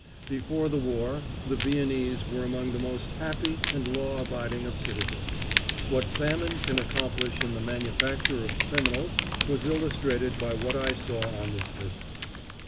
Before the war the Viennese were among the most happy and law abiding of citizens. What famine can accomplish in the manufacture of criminals was illustrated by what I saw on this visit.